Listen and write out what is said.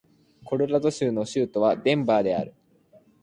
コロラド州の州都はデンバーである